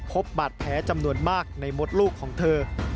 พบบาดแผลจำนวนมากในมดลูกของเธอ